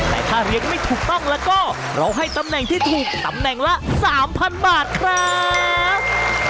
แต่ถ้าเลี้ยงไม่ถูกต้องแล้วก็เราให้ตำแหน่งที่ถูกตำแหน่งละ๓๐๐บาทครับ